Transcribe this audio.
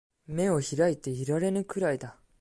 眼を開いていられぬくらいだ